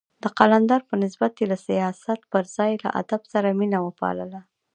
د قلندر په نسبت يې له سياست پر ځای له ادب سره مينه وپالله.